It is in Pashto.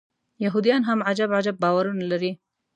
یهودان هم عجب عجب باورونه لري.